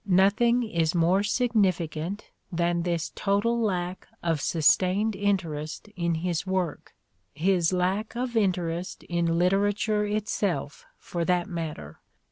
Nothing is more significant than this total lack of sustained interest in his work — ^his lack of interest in literature itself, for that matter.